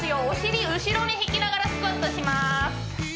お尻後ろに引きながらスクワットします